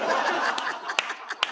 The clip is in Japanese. ハハハハ！